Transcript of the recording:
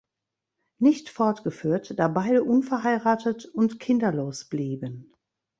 Nicht fortgeführt, da beide unverheiratet und kinderlos blieben.